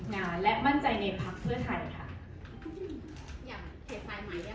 งานและมั่นใจในพักเพื่อไทยค่ะอยากเทปปลายใหม่ด้วยค่ะ